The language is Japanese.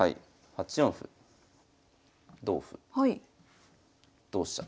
８四歩同歩同飛車と。